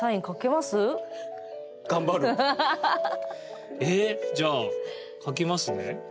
はい。えじゃあ書きますね。